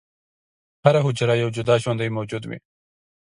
هره حجره یو جدا ژوندی موجود وي.